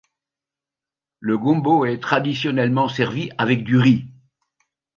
Le gombo est traditionnellement servi avec du riz.